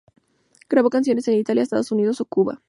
Grabó canciones en Italia, Estados Unidos o Cuba.